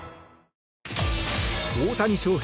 大谷翔平